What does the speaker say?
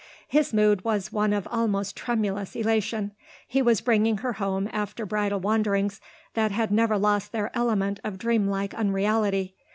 His mood was one of almost tremulous elation. He was bringing her home after bridal wanderings that had never lost their element of dream like unreality.